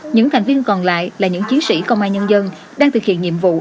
những thành viên còn lại là những chiến sĩ công an nhân dân đang thực hiện nhiệm vụ